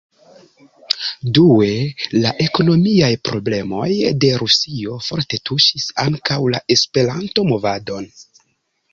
Due, la ekonomiaj problemoj de Rusio forte tuŝis ankaŭ la Esperanto-movadon.